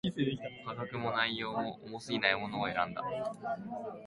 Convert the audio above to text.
価格も、内容も、重過ぎないものを選んだ